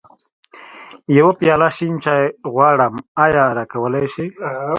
يوه پياله شين چای غواړم، ايا راکولی يې شې؟